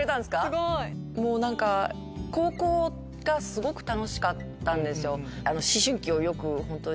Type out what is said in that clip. もう何か高校がすごく楽しかったんですよ。